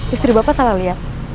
istri bapak salah lihat